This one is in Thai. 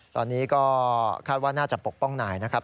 ตอนนี้ก็คาดว่าน่าจะปกป้องนายนะครับ